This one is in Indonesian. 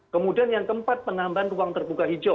kemudian yang keempat penambahan ruang terbuka hijau